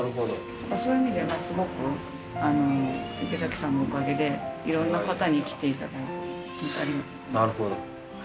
そういう意味ではすごく池崎さんのおかげでいろんな方に来ていただいてホントありがとうございます。